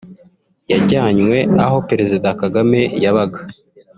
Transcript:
yajyanywe aho Perezida Kagame yabaga